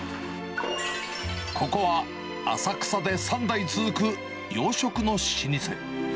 ここは浅草で３代続く洋食の老舗。